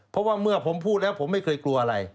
เพราะว่าเมื่อผมพูดแล้วผมไม่เคยกลัวอะไร